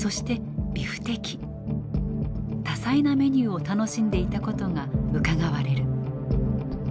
多彩なメニューを楽しんでいたことがうかがわれる。